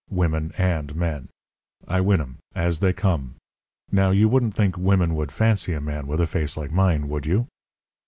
Women and men I win 'em as they come. Now, you wouldn't think women would fancy a man with a face like mine, would you?"